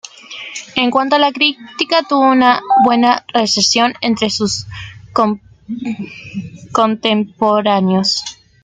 En cuanto a la crítica, tuvo una buena recepción entre sus contemporáneos.